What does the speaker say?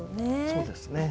そうですね。